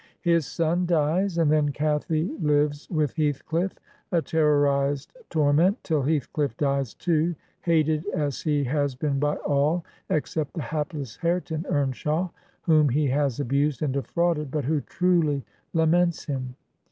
His son dies, and then Cathy lives with Heathcliff, a terrorized tor ment, till Heathcliff dies too, hated as he has been by all except the hapless Hareton Eamshaw, whom he has abused and defrauded, but who truly laments him.